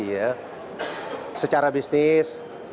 ya untuk kesehatan kesehatan kesehatan dan kekuasaan kesehatan